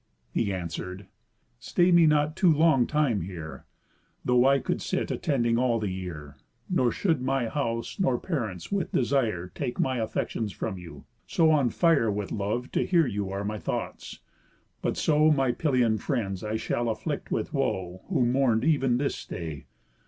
He answer'd: "Stay me not too long time here, Though I could sit attending all the year. Nor should my house, nor parents, with desire, Take my affections from you, so on fire With love to hear you are my thoughts; but so My Pylian friends I shall afflict with woe Who mourn ev'n this stay.